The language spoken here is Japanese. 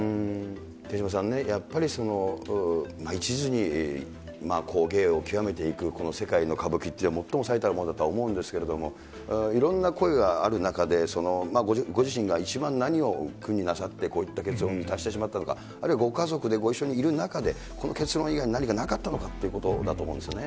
手嶋さんね、やっぱり一途に芸を極めていく世界の歌舞伎というものは最も最たるものだと思うんですけれども、いろんな声がある中で、ご自身が一番何を苦になさって、こういった結論に達してしまったのか、あるいは、ご家族でご一緒にいる中で、この結論以外に何かなかったのかということだと思うんですね。